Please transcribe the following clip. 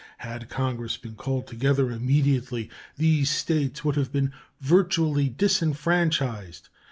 Had Congress been called together immediately, these States would have been virtually disfranchised.